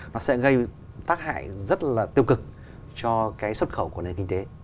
nó sẽ gây tác hại rất là tiêu cực cho cái xuất khẩu của nền kinh tế